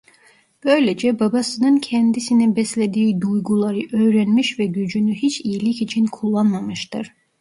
Böylece babasının kendisine beslediği duyguları öğrenmiş ve gücünü hiç iyilik için kullanmamıştır.